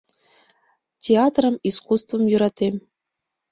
Театрым, искусствым йӧратем».